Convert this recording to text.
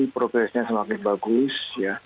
progresnya semakin bagus